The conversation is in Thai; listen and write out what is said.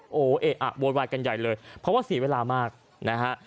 โอ้โหเอะอะโวยวายกันใหญ่เลยเพราะว่าเสียเวลามากนะฮะ